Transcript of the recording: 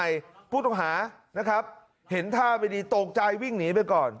จากเชียงใหม่ผู้ต้องหานะครับเห็นท่ามาดีตกใจวิ่งหนีไปก่อน